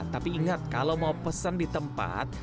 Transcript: tapi ingat kalau mau pesen di tempat